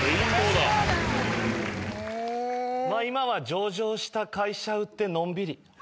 今は上場した会社売ってのんびり。